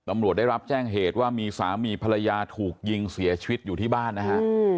ตำรวจได้รับแจ้งเหตุว่ามีสามีภรรยาถูกยิงเสียชีวิตอยู่ที่บ้านนะฮะ